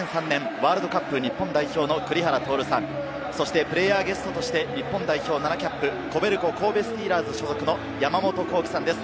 ワールドカップ日本代表の栗原徹さん、そしてプレーヤーゲストとして日本代表７キャップ、コベルコ神戸スティーラーズ所属の山本幸輝さんです。